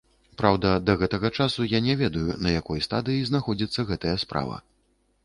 Праўда, да гэтага часу я не ведаю, на якой стадыі знаходзіцца гэтая справа.